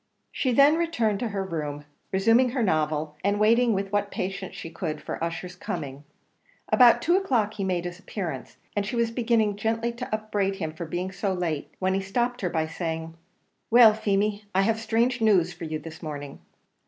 She then returned to her room, resuming her novel, and waiting with what patience she could for Ussher's coming. About two o'clock he made his appearance, and she was beginning gently to upbraid him for being so late, when he stopped her, by saying, "Well, Feemy, I have strange news for you this morning."